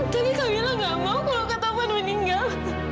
tapi kamilah nggak mau kalau kak taufan meninggal